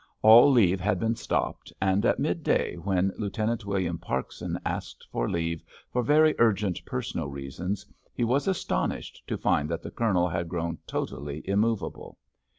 All leave had been stopped, and at midday, when Lieutenant William Parkson asked for leave for very urgent personal reasons, he was astonished to find that the Colonel had grown totally immovable.